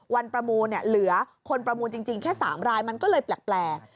ประมูลเหลือคนประมูลจริงแค่๓รายมันก็เลยแปลก